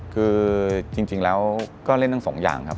คือจริงแล้วก็เล่นทั้งสองอย่างครับ